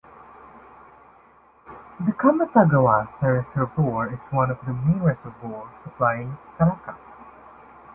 The Camatagua reservoir is one of the main reservoirs supplying Caracas.